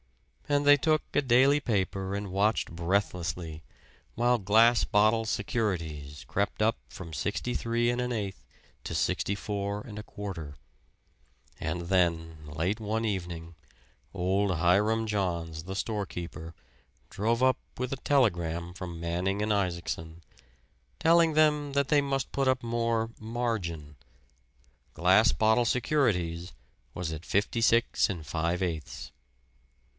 And they took a daily paper and watched breathlessly, while "Glass Bottle Securities" crept up from sixty three and an eighth to sixty four and a quarter. And then, late one evening, old Hiram Johns, the storekeeper, drove up with a telegram from Manning and Isaacson, telling them that they must put up more "margin" "Glass Bottle Securities" was at fifty six and five eighths.